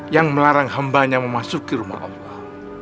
yang melarang hambanya memasuki rumah allah